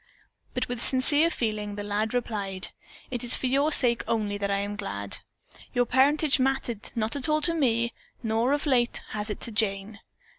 But with sincere feeling the lad replied: "It is for your sake only that I am glad. Your parentage mattered not at all to me, nor, of late, has it to Jane."